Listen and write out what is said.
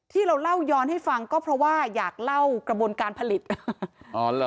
ที่เราเล่าย้อนให้ฟังก็เพราะว่าอยากเล่ากระบวนการผลิตอ๋อเหรอ